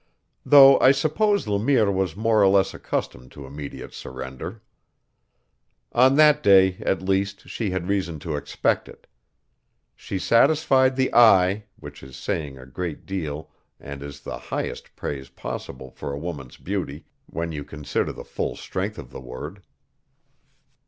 Though I suppose Le Mire was more or less accustomed to immediate surrender. On that day, at least, she had reason to expect it. She satisfied the eye, which is saying a great deal and is the highest praise possible for a woman's beauty, when you consider the full strength of the word.